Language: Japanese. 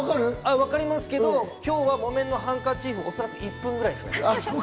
わかりますけど、今日は『木綿のハンカチーフ』おそらく１分半くらいですね。